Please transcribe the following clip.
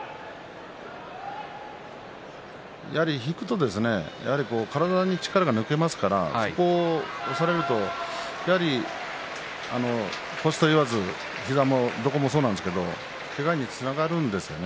やはり引くと体、力が抜けますからそこを押されるとやはり腰と言わず膝もどこもそうなんですけれどけがにつながるんですね。